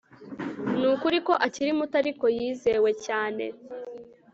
Nukuri ko akiri muto ariko yizewe cyane